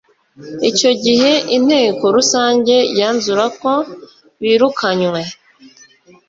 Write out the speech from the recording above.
Icyo gihe Inteko Rusange yanzurako birukanywe